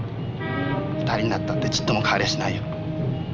２人になったってちっとも変わりゃしないよ。